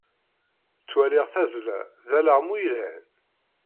Ttwaliɣ tazzla d alaɣmu yelhan.